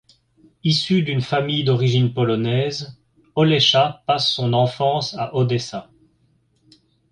Issu d'une famille d'origine polonaise, Olecha passe son enfance à Odessa.